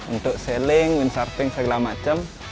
untuk sailing wind surfing segala macam